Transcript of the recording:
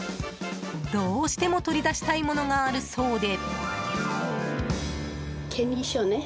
どうしても取り出したいものがあるそうで。